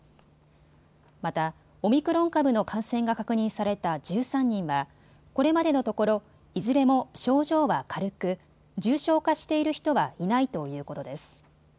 またオミクロン株の感染が確認された１３人はこれまでのところいずれも症状は軽く重症化している人はいないということです。